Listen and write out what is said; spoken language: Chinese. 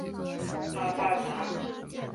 阿巴扎。